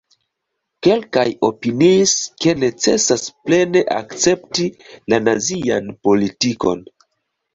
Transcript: Kelkaj opiniis, ke necesas plene akcepti la nazian politikon.